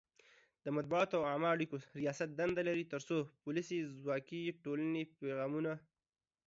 د مطبوعاتو او عامه اړیکو ریاست دنده لري ترڅو د پولیسي ځواک ټول پیغامونه